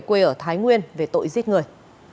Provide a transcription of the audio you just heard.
quê ở thái nguyên về tội giết người